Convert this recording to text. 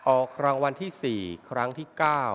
ออกรางวัลที่๔ครั้งที่๙